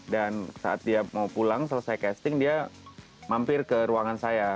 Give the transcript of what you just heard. dan saat dia mau pulang selesai casting dia mampir ke ruangan saya